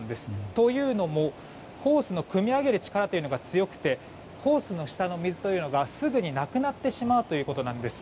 というのも、ホースのくみ上げる力というのが強くてホースの下の水というのがすぐになくなってしまうということなんです。